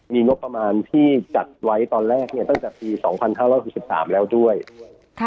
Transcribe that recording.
มีงบประมาณที่จัดไว้ตอนแรกเนี่ยตั้งแต่ปีสองพันห้าร้อยหกสิบสามแล้วด้วยค่ะ